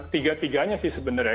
tiga tiganya sih sebenarnya